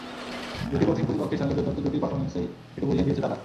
দুটি কঠিন প্রতিপক্ষের সঙ্গে দুর্দান্ত দুটি পারফরম্যান্সেই সেটি বুঝিয়ে দিয়েছে তারা।